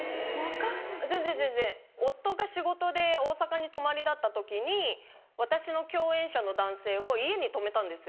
全然全然夫が仕事で大阪に泊まりだった時に私の共演者の男性を家に泊めたんですよ。